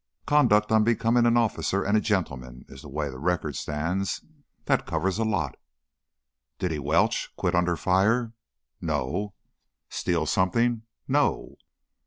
"'Conduct unbecoming an officer and a gentleman' is the way the record stands. That covers a lot." "Did he welch quit under fire?" "No." "Steal something?" "No."